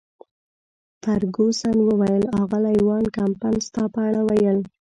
فرګوسن وویل: اغلې وان کمپن ستا په اړه ویل.